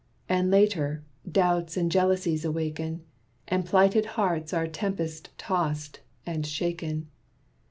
And later, doubts and jealousies awaken. And plighted hearts are tempest tossed, and shaken.